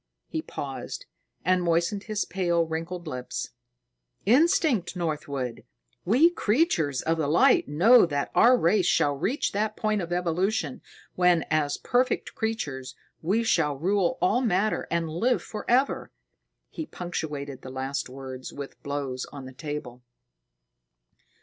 He paused and moistened his pale, wrinkled lips. "Instinct, Northwood. We Creatures of the Light know that our race shall reach that point in evolution when, as perfect creatures, we shall rule all matter and live forever." He punctuated the last words with blows on the table.